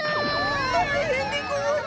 たいへんでごわす。